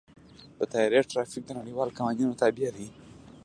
د طیارې ټرافیک د نړیوالو قوانینو تابع دی.